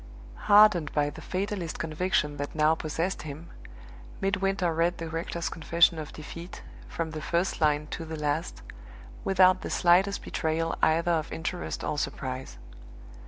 Hardened by the fatalist conviction that now possessed him, Midwinter read the rector's confession of defeat, from the first line to the last, without the slightest betrayal either of interest or surprise.